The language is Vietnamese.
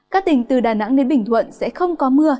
các tỉnh từ đà nẵng đến bình thuận sẽ không có mưa